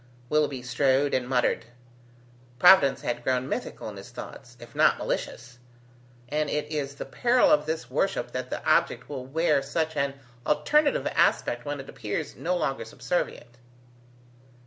Willoughby strode and muttered. Providence had grown mythical in his thoughts, if not malicious: and it is the peril of this worship that the object will wear such an alternative aspect when it appears no longer subservient.